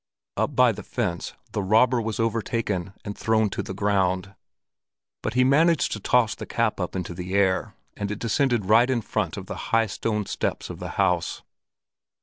Up by the fence the robber was overtaken and thrown to the ground; but he managed to toss the cap up into the air, and it descended right in front of the high stone steps of the House.